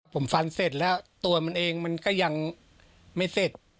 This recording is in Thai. ผมฟันเสร็จแล้วตัวมันเองมันก็ยังไม่เสร็จ